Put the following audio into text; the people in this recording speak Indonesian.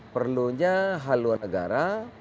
perlunya haluan negara